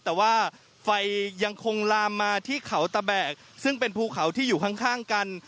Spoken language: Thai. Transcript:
แต่ว่าไฟยังคงลามมาที่เขาตะแบกซึ่งเป็นภูเขาที่อยู่ข้างกัน